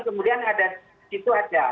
kemudian ada itu ada